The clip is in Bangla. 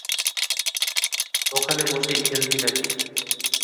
ওখানে বসেই খেলবি নাকি?